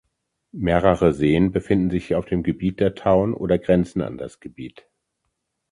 Mehrere Seen befinden sich auf dem Gebiet der Town oder grenzen an das Gebiet.